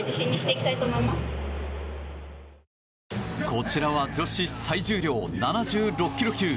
こちらは女子最重量７６ｋｇ級。